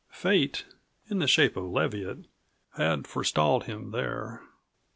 Fate, in the shape of Leviatt, had forestalled him there.